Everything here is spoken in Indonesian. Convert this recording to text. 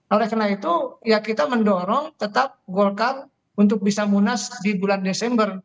oleh karena itu ya kita mendorong tetap golkar untuk bisa munas di bulan desember